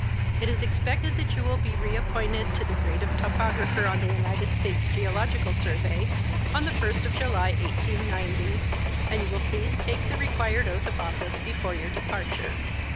It is expected that you will be reappointed to the grade of topographer on the United States Geological Survey on the 1st of July, 1890, and you will please take the required oath of otSce before your departure.